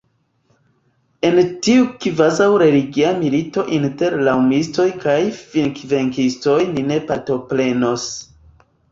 En tiu kvazaŭ religia milito inter raŭmistoj kaj finvenkistoj ni ne partoprenos.